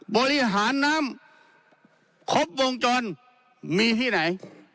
บริหารน้ำครบวงจรมีที่ไหน